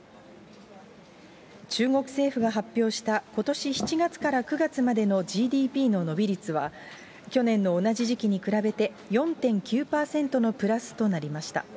中国政府が発表した、ことし７月から９月までのＧＤＰの伸び率は、去年の同じ時期に比べて４．９％のプラスとなりました。